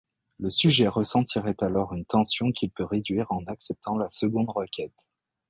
Le sujet ressentirait alors une tension qu'il peut réduire en acceptant la seconde requête.